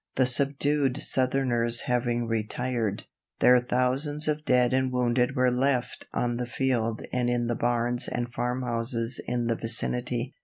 The subdued Southerners having retired, their thousands of dead and wounded were left on the field and in the barns and farmhouses in the vicinity.